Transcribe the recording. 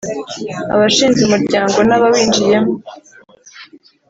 Abashinze Umuryango n abawinjiyemo